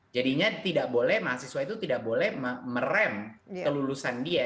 jadinya tidak boleh mahasiswa itu tidak boleh merem kelulusan dia